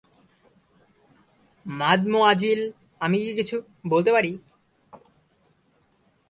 Mademoiselle, আমি কি কিছু বলতে পারি?